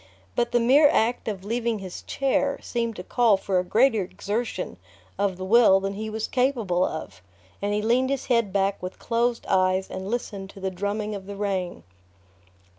But the mere act of leaving his chair seemed to call for a greater exertion of the will than he was capable of, and he leaned his head back with closed eyes and listened to the drumming of the rain.